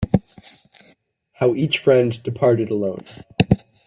How each friend departed alone.